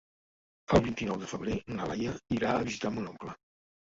El vint-i-nou de febrer na Laia irà a visitar mon oncle.